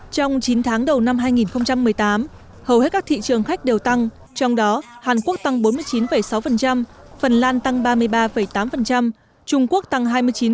trong chín tháng đầu năm hai nghìn một mươi tám hầu hết các thị trường khách đều tăng trong đó hàn quốc tăng bốn mươi chín sáu phần lan tăng ba mươi ba tám trung quốc tăng hai mươi chín